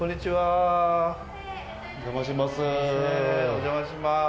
お邪魔します。